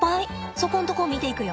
そこんとこ見ていくよ。